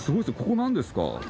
ここなんですか？